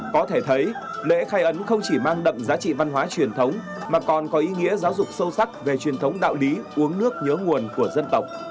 có thể thấy lễ khai ấn không chỉ mang đậm giá trị văn hóa truyền thống mà còn có ý nghĩa giáo dục sâu sắc về truyền thống đạo lý uống nước nhớ nguồn của dân tộc